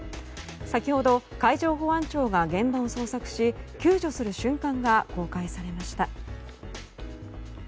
先ほど海上保安庁が現場を捜索し、救助する瞬間が公開されました。